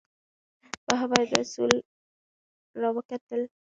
محمدرسول را وکتل.